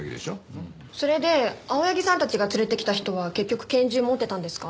それで青柳さんたちが連れてきた人は結局拳銃持ってたんですか？